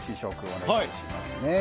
お願いします。